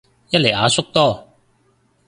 一嚟阿叔多